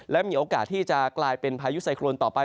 และมีโอกาสที่จะกลายเป็นพายุไซโครนต่อไป